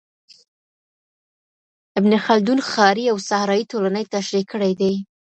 ابن خلدون ښاري او صحرايي ټولني تشرېح کړې دي.